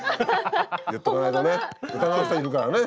言っとかないとね疑う人いるからね。